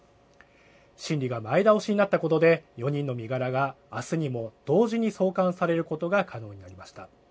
審理が前倒しになったことで、４人の身柄があすにも同時に送還されることが可能になりました。